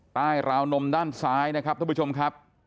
ราวนมด้านซ้ายนะครับท่านผู้ชมครับ